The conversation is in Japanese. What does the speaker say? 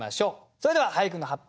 それでは俳句の発表